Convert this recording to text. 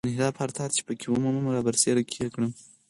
د انحراف هر تار چې په کې ومومم رابرسېره یې کړم.